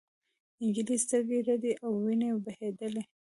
نجلۍ سترګې رډې او وینې بهېدلې.